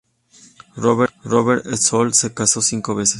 Robert Stolz se casó cinco veces.